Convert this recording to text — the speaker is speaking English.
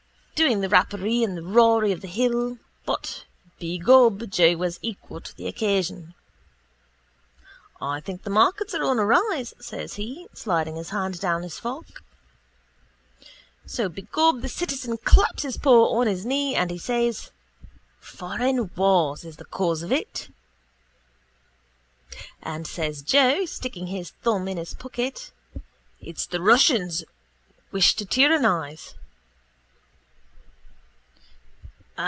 Doing the rapparee and Rory of the hill. But, begob, Joe was equal to the occasion. —I think the markets are on a rise, says he, sliding his hand down his fork. So begob the citizen claps his paw on his knee and he says: —Foreign wars is the cause of it. And says Joe, sticking his thumb in his pocket: —It's the Russians wish to tyrannise.